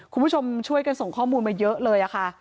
คุณผู้ชมช่วยกันส่งข้อมูลมาเยอะเลยค่ะ